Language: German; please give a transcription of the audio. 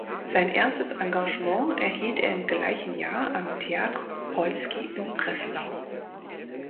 Sein erstes Engagement erhielt er im gleichen Jahr am Teatr Polski in Breslau.